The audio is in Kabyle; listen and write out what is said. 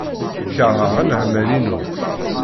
Keṛheɣ anemhal-inu.